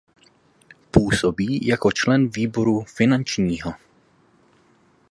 Působí jako člen Výboru finančního.